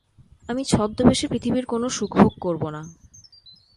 আমি ছদ্মবেশে পৃথিবীর কোনো সুখভোগ করব না।